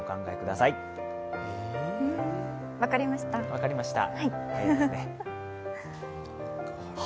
分かりました。